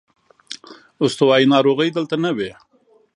استوايي ناروغۍ دلته نه وې.